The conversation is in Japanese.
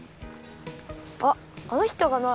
あっあの人かな？